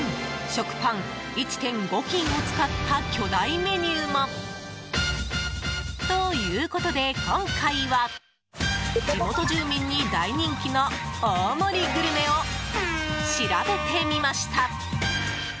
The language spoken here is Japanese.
食パン１．５斤を使った巨大メニューも。ということで今回は地元住民に大人気の大盛りグルメを調べてみました。